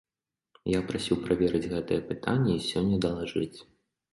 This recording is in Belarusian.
Я прасіў праверыць гэтыя пытанні і сёння далажыць.